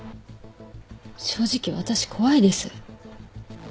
正直私怖いです。